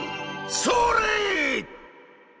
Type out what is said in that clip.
それ！